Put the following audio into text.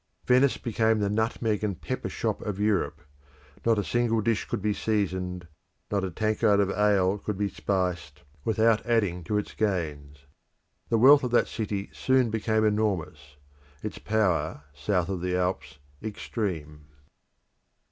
Venice became the nutmeg and pepper shop of Europe: not a single dish could be seasoned, not a tankard of ale could be spiced, without adding to its gains. The wealth of that city soon became enormous; its power, south of the Alps, supreme.